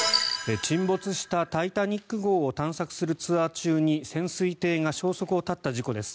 沈没した「タイタニック号」を探索するツアー中に潜水艇が消息を絶った事故です。